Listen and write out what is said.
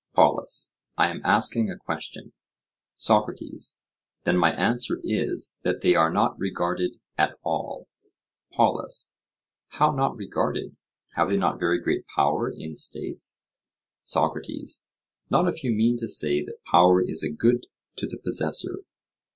POLUS: I am asking a question. SOCRATES: Then my answer is, that they are not regarded at all. POLUS: How not regarded? Have they not very great power in states? SOCRATES: Not if you mean to say that power is a good to the possessor.